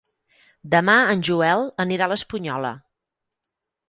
Demà en Joel anirà a l'Espunyola.